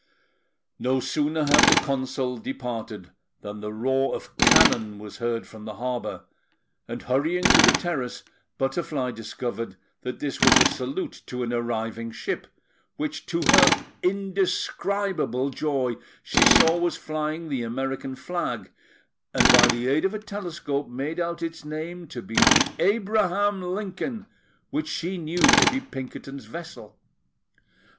No sooner had the Consul departed than the roar of cannon was heard from the harbour; and, hurrying to the terrace, Butterfly discovered that this was a salute to an arriving ship, which, to her indescribable joy, she saw was flying the American flag, and by the aid of a telescope made out its name to be the Abraham Lincoln, which she knew to be Pinkerton's vessel.